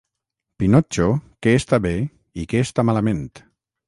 Pinotxo què està bé i què està malament.